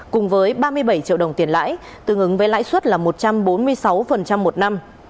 cùng với ba mươi bảy triệu đồng tiền lãi tương ứng với lãi suất là một trăm bốn mươi sáu một năm